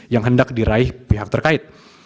yang hendak diraih pihak terkait